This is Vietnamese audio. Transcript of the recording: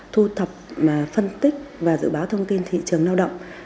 thu thập phân tích và dự báo thông tin thị trường lao động